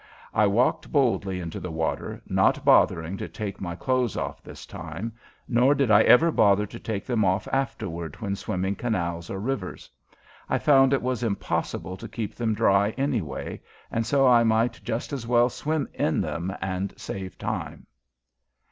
I walked boldly into the water, not bothering to take my clothes off this time, nor did I ever bother to take them off afterward when swimming canals or rivers. I found it was impossible to keep them dry, anyway, and so I might just as well swim in them and save time.